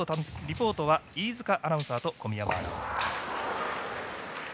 リポートは飯塚アナウンサーと小宮山アナウンサーです。